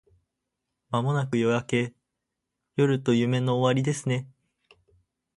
間もなく夜明け…夜と夢の終わりですね